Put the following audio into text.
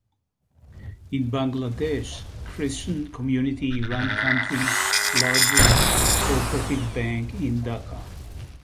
In Bangladesh, Christian community run country's largest cooperative bank in Dhaka.